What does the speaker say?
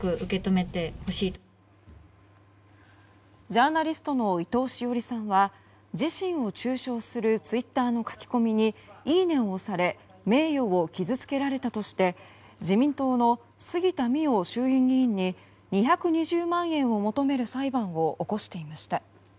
ジャーナリストの伊藤詩織さんは自身を中傷するツイッターの書き込みにいいねを押され名誉を傷つけられたとして自民党の杉田水脈衆院議員に２２０万円を求める裁判を起こしていました。